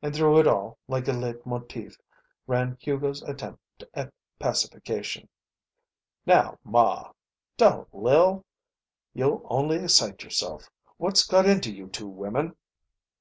And through it all, like a leit motiv, ran Hugo's attempt at pacification: "Now, Ma! Don't, Lil. You'll only excite yourself. What's got into you two women?"